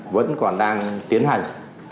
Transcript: vẫn còn đang tiến hành